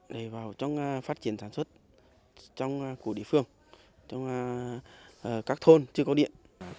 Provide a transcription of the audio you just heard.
để vào trong phát triển sản xuất trong cổ địa phương trong các thôn chưa có điện